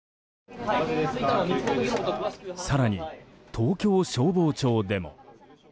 更に、東京消防庁でも。